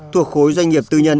thuộc khối doanh nghiệp tư nhân